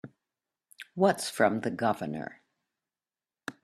What's from the Governor?